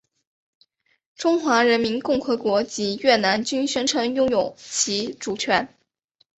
中华人民共和国及越南均宣称拥有其主权。